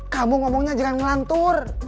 kamu ngomongnya jangan ngelantur